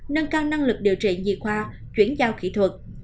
nâng cao năng lực điều trị nhì khoa chuyển giao kỹ thuật